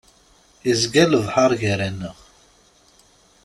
Izga lebḥer gar-aneɣ.